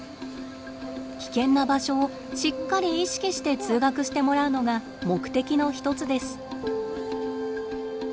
危険な場所をしっかり意識して通学してもらうのが目的の一つです。